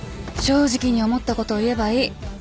正直に思ったことを言えばいい。